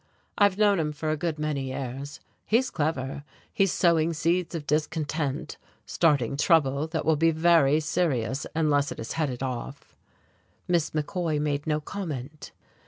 "I've known him for a good many years. He's clever. He's sowing seeds of discontent, starting trouble that will be very serious unless it is headed off." Miss McCoy made no comment....